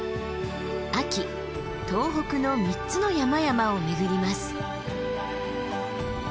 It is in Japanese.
秋東北の３つの山々を巡ります。